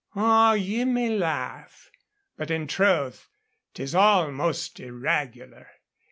"Oh, ye may laugh. But in truth 'tis all most irregular.